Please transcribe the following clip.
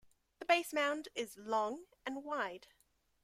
The base mound is long and wide.